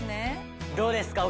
どうですか？